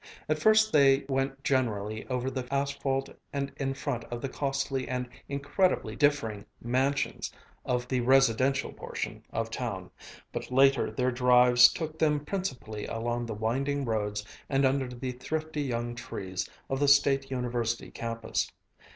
At first they went generally over the asphalt and in front of the costly and incredibly differing "mansions" of the "residential portion" of town, but later their drives took them principally along the winding roads and under the thrifty young trees of the State University campus.